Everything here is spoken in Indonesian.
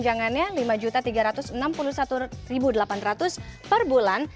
dengan pelaksana tunjangannya rp lima tiga ratus enam puluh satu delapan ratus per bulan